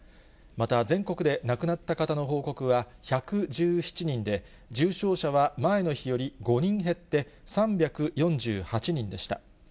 また全国で亡くなった方の報告は１１７人で、重症者は前の日より５人減って３４８人でした。